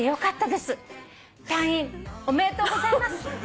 「退院おめでとうございます」